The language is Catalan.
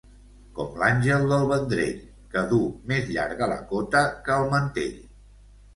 Com l'Àngel del Vendrell, que duu més llarga la cota que el mantell.